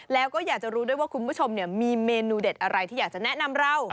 แล้วก็อยากจะรู้ด้วยว่าคุณผู้ชมมีเมนูเด็ดอะไรที่อยากจะแนะนำเรา